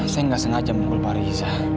saya gak sengaja menunggu pak riza